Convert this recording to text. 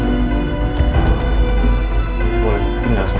alhamdulillah ya allah